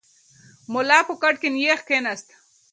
ملا په کټ کې نېغ کښېناست.